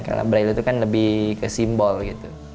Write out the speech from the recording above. karena braille itu kan lebih ke simbol gitu